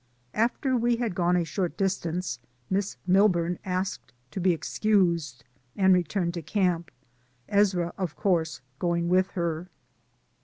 After we had gone a short distance. Miss Milburn asked to be excused, and returned to camp; Ezra, of course, going with her.